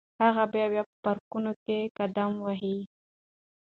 هغه به په پارکونو کې قدم وهي.